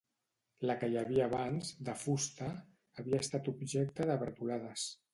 La que hi havia abans, de fusta, havia estat objecte de bretolades.